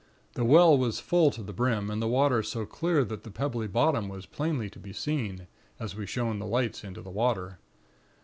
The well was full to the brim, and the water so clear that the pebbly bottom was plainly to be seen, as we shone the lights into the water.